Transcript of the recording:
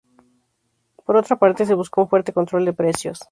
Por otra parte se buscó un fuerte control de precios.